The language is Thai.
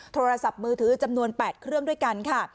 โทรศัพท์มือถือจำนวน๘เครื่องด้วยกันค่ะ